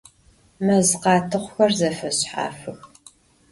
Mezkhatıxhuxer zefeşshafıx.